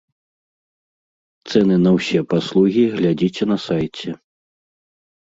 Цэны на ўсе паслугі глядзіце на сайце.